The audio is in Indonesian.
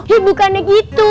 eh bukannya gitu